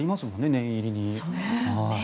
念入りに。